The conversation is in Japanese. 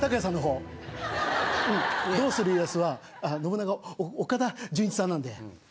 うん『どうする家康』は信長は岡田准一さんなんで。